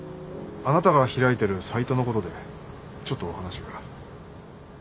あなたが開いてるサイトのことでちょっとお話が。